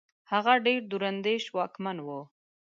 هغه ډېر دور اندېش واکمن وو.